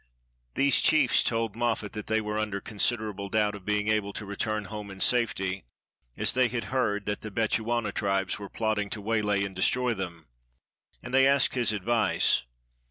These chiefs told Moffat that they were under consid erable doubt of being able to return home in safety, as they had heard that the Bechuana tribes were plotting to waylay and destroy them; and they asked his advice.